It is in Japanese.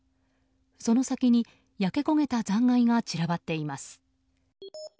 その先に焼け焦げた残骸が散らばっています。